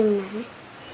nên chừng lắm